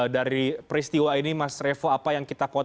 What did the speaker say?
dari peristiwa ini mas revo apa yang kita potensi